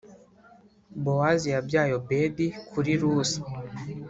Bowazi yabyaye Obedi kuri Rusi